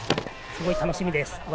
すごい楽しみです。